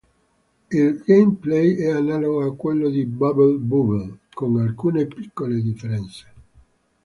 Il gameplay è analogo a quello di "Bubble Bobble", con alcune piccole differenze.